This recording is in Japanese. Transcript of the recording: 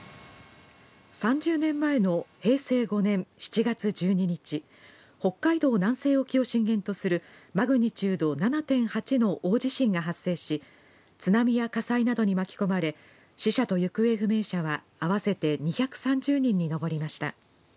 ３０年前の平成５年７月１２日北海道南西沖を震源とするマグニチュード７．８の大地震が発生し津波や火災などに巻き込まれ死者と行方不明者は合わせて２３２人に上りました。